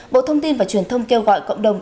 bộ thông tin và truyền thông kêu gọi cộng đồng